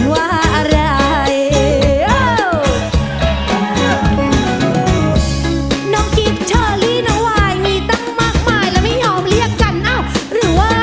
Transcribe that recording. ไม่รักฉันก็ไม่ว่าแต่ยังมาเรียกคุณล้ำใย